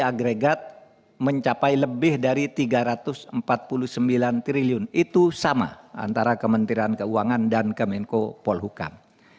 agregat mencapai lebih dari tiga ratus empat puluh sembilan triliun itu sama antara kementerian keuangan dan kemenko polhukam